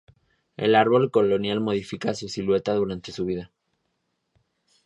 El árbol colonial modifica su silueta durante su vida.